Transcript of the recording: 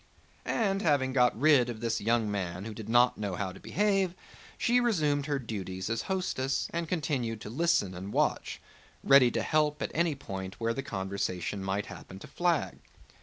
And having got rid of this young man who did not know how to behave, she resumed her duties as hostess and continued to listen and watch, ready to help at any point where the conversation might happen to flag.